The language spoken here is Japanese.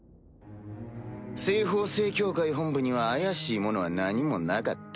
西方聖教会本部には怪しいものは何もなかった。